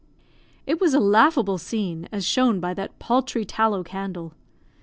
It was a laughable scene, as shown by that paltry tallow candle.